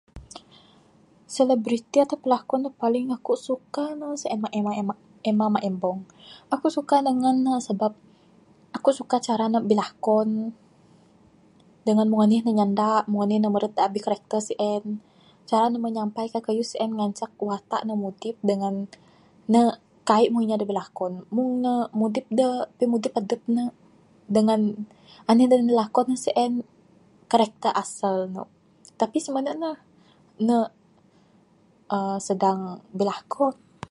Selebriti ato pelakon paling aku suka sien mah emma maembong. Aku suka dengan nuh sebab aku suka cara nuh bilakon dangan mung anih nuh nyanda dengan mung anih da abih karakter sien. Cara nuh menyampaikan kayuh sien ngancak watak nuh mudip dangan nuh kaii mung inya da bilakon mung nuh mudip da pimudip adup nuh dengan anih da milakon nuh sien dengan karakter asal nuh. Tapi simunu nuh ne aa sedang bilakon.